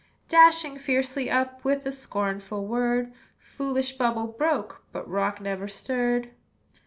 Dashing fiercely up, With a scornful word, Foolish bubble broke; But rock never stirred.